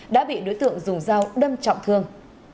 đã bị đối tượng dùng dao đâm trọng thương